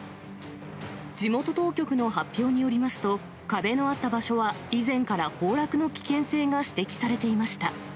地元当局の発表によりますと、壁のあった場所は以前から崩落の危険性が指摘されていました。